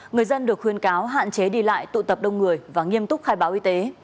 người dân được khuyên cáo hạn chế đi lại tụ tập đông người và nghiêm túc khai báo y tế